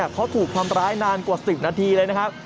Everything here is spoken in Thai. เขาถูกทำร้ายนานกว่า๑๐นาทีเลยนะครับ